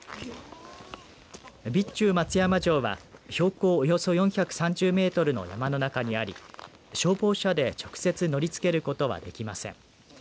備中松山城は標高およそ４３０メートルの山の中にあり消防車で直接乗りつけることはできません。